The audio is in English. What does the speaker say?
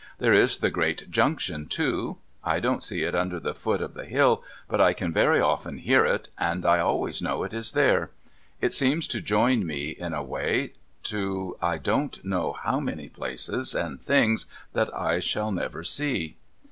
There is the great Junction, too. I don't see it under the foot of the hill, but I can very often hear it, and I always know it is there. It seems to join me, in a way, to I don't know how many places and things that /shall never see.'